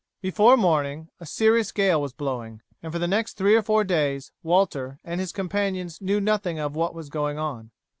Before morning a serious gale was blowing, and for the next three or four days Walter and his companions knew nothing of what was going on.